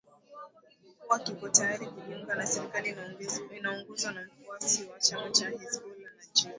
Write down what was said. kuwa kiko tayari kujiunga na serikali inayoongozwa na mfuasi wa chama cha hezbollah najim